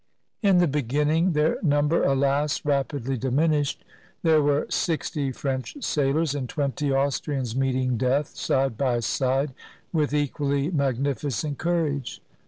In the beginning — their number, alas, rapidly dimin ished — there were sixty French sailors and twenty Austrians meeting death, side by side, with equally magnificent courage.